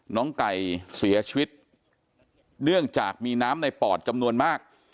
น้องไก่เสียชีวิตเนื่องจากมีน้ำในปอดจำนวนมาก